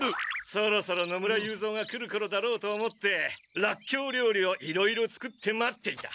そろそろ野村雄三が来るころだろうと思ってラッキョウりょうりをいろいろ作って待っていた。